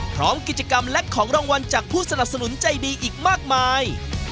พร้อมกิจกรรมและของรางวัลจากผู้สนับสนุนใจดีอีกมากมาย